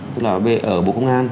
tức là ở bộ công an